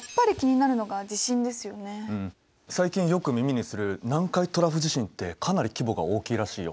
最近よく耳にする南海トラフ地震ってかなり規模が大きいらしいよ。